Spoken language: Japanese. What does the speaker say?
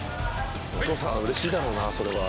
お父さんうれしいだろうなそれは。